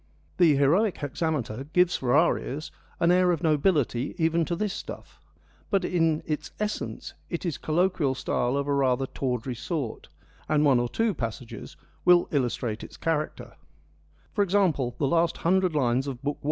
The heroic hexameter gives for our ears an air of nobility even to this stuff, but in its essence it is colloquial style of a rather tawdry sort, and one or two passages will illustrate its character ; for example, the last hundred lines of Book I.